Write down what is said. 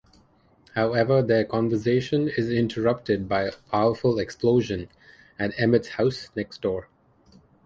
However, their conversation is interrupted by a powerful explosion at Emmett's house next door.